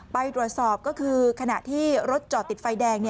ไปตรวจสอบก็คือขณะที่รถจอดติดไฟแดง